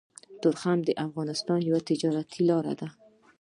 تورخم د افغانستان يوه تجارتي لاره ده